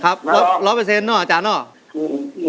ครับรอเปอร์เซ็นต์เนาะอาจารย์เนาะ